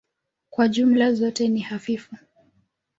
Kwa jumla zote ni hafifu.